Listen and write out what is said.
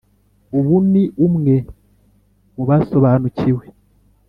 ubu ni umwe mu basobanukiwe,